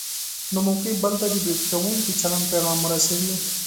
نو ممکن بل ته د برید کوونکي چلند پیغام ورسوي.